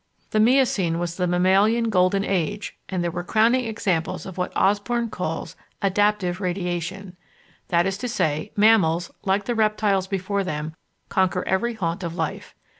The Miocene was the mammalian Golden Age and there were crowning examples of what Osborn calls "adaptive radiation." That is to say, mammals, like the reptiles before them, conquer every haunt of life.